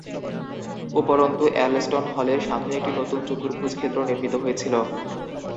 উপরন্তু, এলস্টন হলের সামনে একটি নতুন চতুর্ভুজ ক্ষেত্র নির্মিত হয়েছিল।